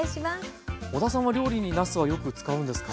小田さんは料理になすはよく使うんですか？